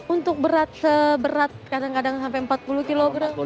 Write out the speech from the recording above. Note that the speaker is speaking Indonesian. untuk berat seberat kadang kadang sampai empat puluh kg